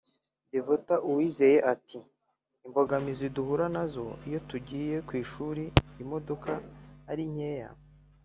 Devota Uwizeye ati”Imbogamizi duhura nazo iyo tugiye ku ishuri imodoka ari nkeya